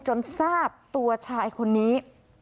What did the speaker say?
จนทราบตัวชายคนนี้